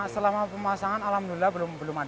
selama pemasangan alhamdulillah belum ada